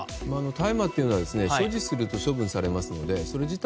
大麻というのは所持すると処分されますので、それ自体